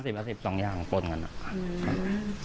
พอหมอบรามาช่วยวันนี้รู้สึกยังไงบ้าง